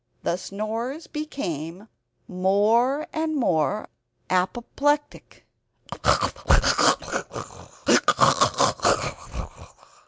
The snores became more and more apoplectic.